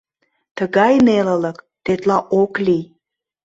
— Тыгай нелылык тетла ок лий.